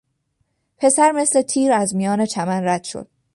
پسر مثل تیر از میان چمن رد شد.